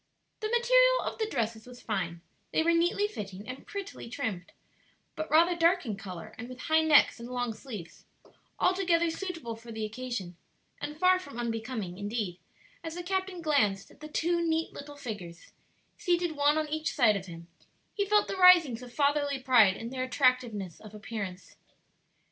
The material of the dresses was fine, they were neatly fitting and prettily trimmed, but rather dark in color and with high necks and long sleeves; altogether suitable for the occasion, and far from unbecoming; indeed, as the captain glanced at the two neat little figures, seated one on each side of him, he felt the risings of fatherly pride in their attractiveness of appearance.